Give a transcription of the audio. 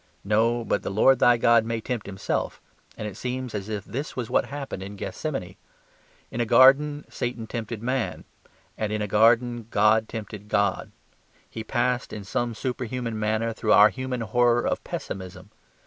No; but the Lord thy God may tempt Himself; and it seems as if this was what happened in Gethsemane. In a garden Satan tempted man: and in a garden God tempted God. He passed in some superhuman manner through our human horror of pessimism.